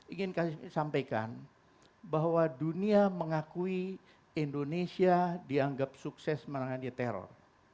ingin kami sampaikan bahwa dunia mengakui indonesia dianggap sukses menangani teror